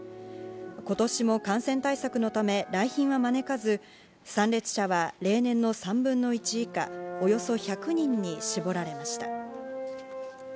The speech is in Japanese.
今年も感染対策のため、来賓は招かず、参列者は例年の３分の１以下、およそ１００人に絞られました。